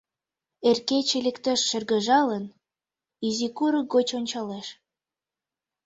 Эр кече лектеш шыргыжалын, Изи курык гоч ончалеш.